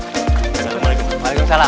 waalaikumsalam warahmatullahi wabarakatuh